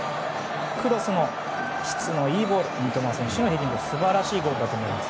クロスも質のいいボール三笘選手のヘディング素晴らしいゴールだと思います。